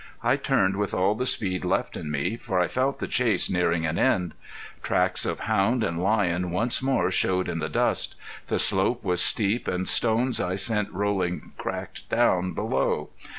I turned with all the speed left in me, for I felt the chase nearing an end. Tracks of hound and lion once more showed in the dust. The slope was steep and stones I sent rolling cracked down below.